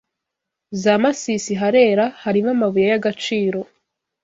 Za Masisi harera, harimo amabuye y’agaciro